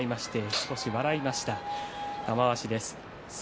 少し笑いました玉鷲。